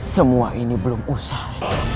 semua ini belum usah